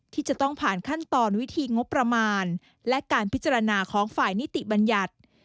ที่จะต้องผ่านขั้นตอนวิธีงบประมาณและการพิจารณาของฝ่ายนิติบัญญัติ